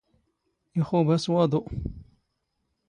ⵉⵅⵓⴱ ⴰⵙ ⵡⴰⴹⵓ